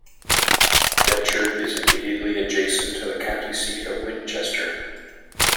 Decherd is immediately adjacent to the county seat of Winchester.